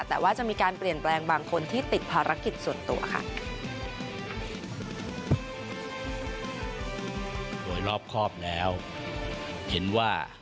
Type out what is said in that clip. แต่ว่าจะมีการเปลี่ยนแปลงบางคนที่ติดภารกิจส่วนตัวค่ะ